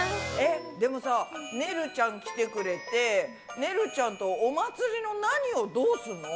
でもさねるちゃん来てくれてねるちゃんとお祭りの何をどうするの？